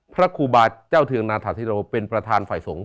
พระคุณบ่าเจ้าเทียงนาฐศิลป์เป็นประธานฝ่ายสงตร์